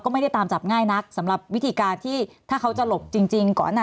ไม่ได้ตามจับง่ายนักสำหรับวิธีการที่ถ้าเขาจะหลบจริงก่อน